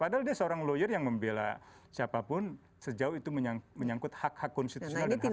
padahal dia seorang lawyer yang membela siapapun sejauh itu menyangkut hak hak konstitusional dan hak